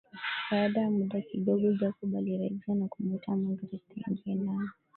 baada ya muda kidogo Jacob alirejea na kumuita magreth aingie ndani